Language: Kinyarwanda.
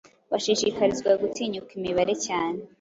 bashishikarizwa gutinyuka imibare cyane